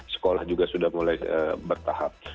sekolah juga sudah mulai bertahap